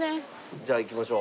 じゃあいきましょう。